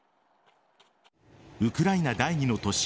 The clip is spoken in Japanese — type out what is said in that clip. ウクライナ第２の都市